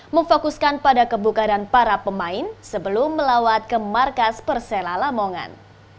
memfokuskan pada kebukaan para pemain sebelum melawat ke markas persela lamongan